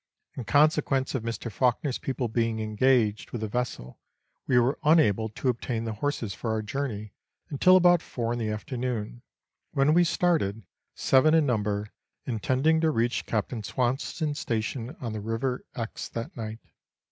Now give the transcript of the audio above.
In consequence of Mr. Fawkner's people being engaged with the vessel, we were unable to obtain the horses for our journey until about four in the after noon, when we started, seven in number, intending to reach Captain Swanston's station on the River Exe that night.